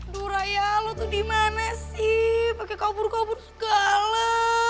duh raya lo tuh dimana sih pake kabur kabur segala